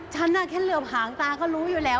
ฉันแค่เหลือบหางตาก็รู้อยู่แล้ว